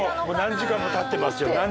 何時間もたってます。